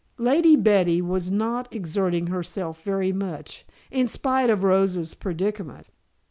Lady Betty was not exerting herself very much, in spite of Rosa's predicament.